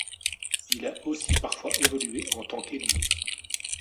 Il a aussi parfois évolué en tant qu'ailier.